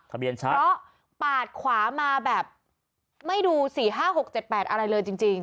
ทะเบียนชัดแล้วปาดขวามาแบบไม่ดูสี่ห้าหกเจ็ดแปดอะไรเลยจริง